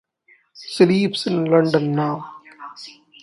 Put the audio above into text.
She lives in London now.